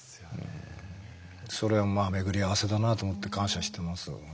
それは巡り合わせだなと思って感謝してます。